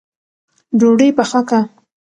ډوډۍ پخه که